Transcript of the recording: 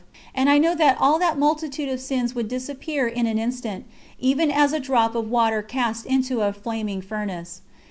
And I know that all that multitude of sins would disappear in an instant, even as a drop of water cast into a flaming furnace.